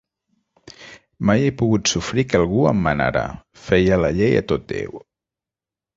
Mai he pogut sofrir que algú em manara: feia la llei a tot Déu.